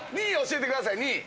２位、教えてください！